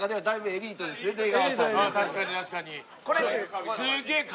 ああ確かに確かに。